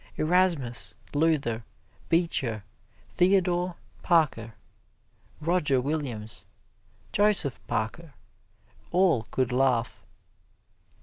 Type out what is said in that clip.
Erasmus, Luther, Beecher, Theodore Parker, Roger Williams, Joseph Parker all could laugh.